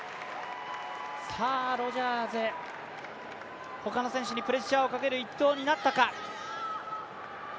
ロジャーズ、他の選手にプレッシャーをかける１投になったか。